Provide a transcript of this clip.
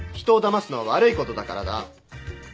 人をだますのは悪いことだからだ。